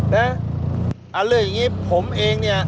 เรื่องอย่างนี้ผมเองเนี่ย